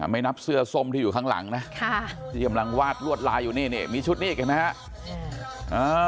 ไม่นับเสื้อส้มที่อยู่ข้างหลังนะที่กำลังวาดลวดลายอยู่นี่มีชุดนี้อีกเห็นไหมฮะ